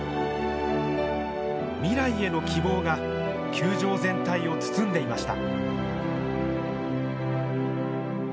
未来への希望が球場全体を包んでいました。